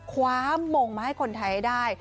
คว้ามงมาให้คนไทยได้